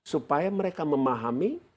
supaya mereka memahami